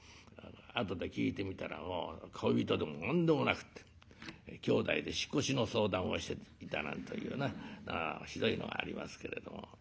後で聞いてみたら恋人でも何でもなくってきょうだいで引っ越しの相談をしていたなんというなひどいのがありますけれども。